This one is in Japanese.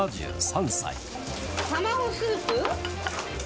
卵スープ？